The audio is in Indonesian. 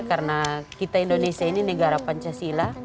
karena kita indonesia ini negara pancasila